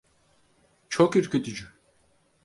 Çok ürkütücü.